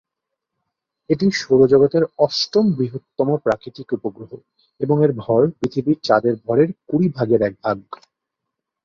এটি সৌরজগৎের অষ্টম বৃহত্তম প্রাকৃতিক উপগ্রহ এবং এর ভর পৃথিবীর চাঁদের ভরের কুড়ি ভাগের এক ভাগ।